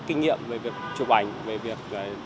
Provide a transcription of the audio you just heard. kinh nghiệm về việc chụp ảnh về việc